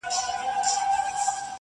خُمار مي د عمرونو میکدې ته وو راوړی٫